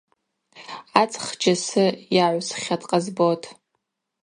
Ацӏх джьасы йагӏвсхьатӏ, Къасбот.